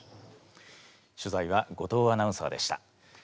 取材は後藤アナウンサーでした。